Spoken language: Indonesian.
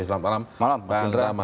selamat malam pak indra